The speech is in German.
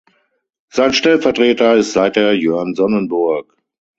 Sein Stellvertreter ist seither Jörn Sonnenburg.